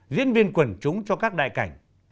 diễn viên quần chúng cho các đại cảnh